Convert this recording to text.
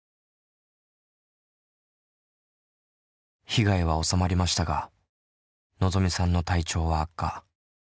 被害は収まりましたがのぞみさんの体調は悪化。